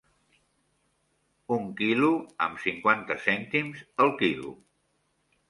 Un quilo amb cinquanta cèntims el quilo.